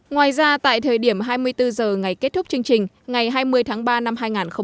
ngoài ra tại thời điểm hai mươi bốn h ngày kết thúc chương trình ngày hai mươi tháng ba năm hai nghìn hai mươi